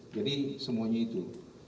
jadi semuanya itu